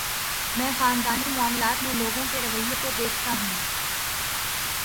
میں خاندانی معاملات میں لوگوں کے رویے کو دیکھتا ہوں۔